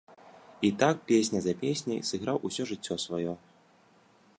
І так, песня за песняй, сыграў усё жыццё сваё.